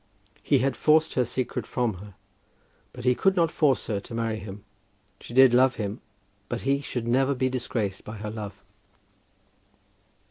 He had forced her secret from her, but he could not force her to marry him. She did love him, but he should never be disgraced by her love.